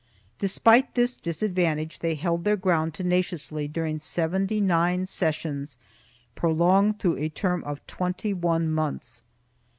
Despite this disadvantage they held their ground tenaci ously during seventy nine sessions, prolonged through a term of twenty one months.